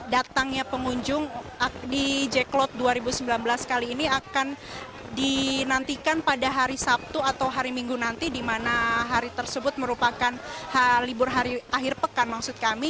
datangnya pengunjung di jack cloth dua ribu sembilan belas kali ini akan dinantikan pada hari sabtu atau hari minggu nanti di mana hari tersebut merupakan libur hari akhir pekan maksud kami